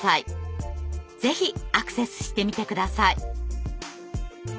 ぜひアクセスしてみて下さい。